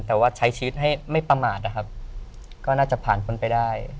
แต่ว่าใช้ชีวิตให้ไม่ประมาทนะครับก็น่าจะผ่านพ้นไปได้